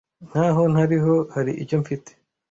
Nkaho ntariho. Hari icyo mfite